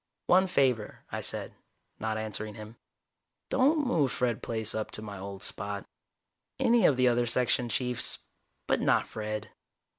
"One favor," I said, not answering him. "Don't move Fred Plaice up to my old spot. Any of the other Section Chiefs, but not Fred."